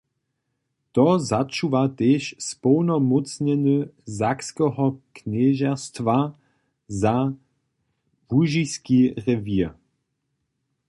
To začuwa tež społnomócnjeny sakskeho knježerstwa za łužiski rewěr.